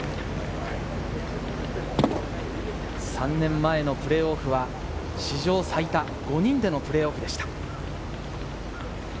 ３年前のプレーオフは史上最多、５人でのプレーオフでした。